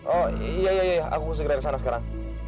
oh iya iya iya aku segera kesana sekarang